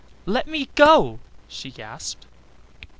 "Let me go," she gasped.